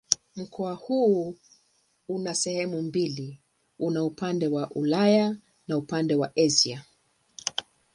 Mkoa huu una sehemu mbili: una upande wa Ulaya na upande ni Asia.